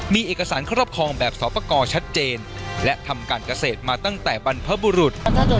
มีเอกสารครอบครองแบบสอบประกอบชัดเจนและทำการเกษตรมาตั้งแต่บรรพบุรุษ